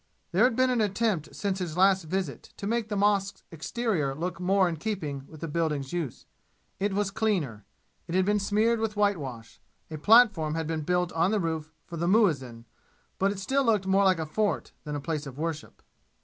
There had been an attempt since his last visit to make the mosque's exterior look more in keeping with the building's use. It was cleaner. It had been smeared with whitewash. A platform had been built on the roof for the muezzin. But it still looked more like a fort than a place of worship.